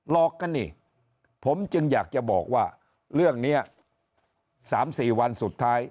อกกันนี่ผมจึงอยากจะบอกว่าเรื่องนี้๓๔วันสุดท้าย